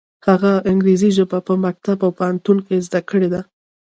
هغه انګریزي ژبه یې په مکتب او پوهنتون کې زده کړې ده.